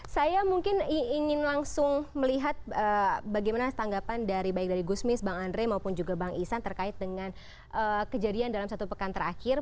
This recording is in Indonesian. saya mungkin ingin langsung melihat bagaimana tanggapan dari baik dari gusmis bang andre maupun juga bang isan terkait dengan kejadian dalam satu pekan terakhir